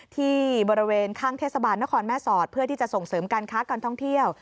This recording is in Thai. ที่บริเวณข้างเทศบาลนครแม่สอดเพื่อที่จะส่งเสริมการค้าการท่องเที่ยว